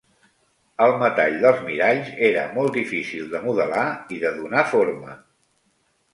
El metall dels miralls era molt difícil de modelar i de donar forma.